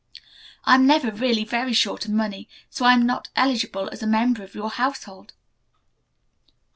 I am never really very short of money, so I'm not eligible as a member of your household."